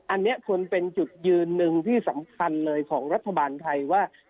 อันนี้ควรเป็นจุดยืนหนึ่งที่สำคัญเลยของรัฐบาลไทยว่า